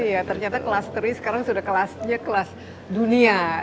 iya ternyata kelas teri sekarang sudah kelasnya kelas dunia